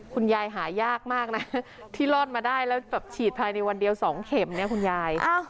คุณยายหายากมากนะที่รอดมาได้แล้วแบบฉีดภายในวันเดียว๒เข็มเนี่ยคุณยาย